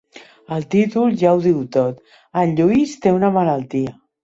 El títol ja ho diu tot: “El Lluís té una malaltia”.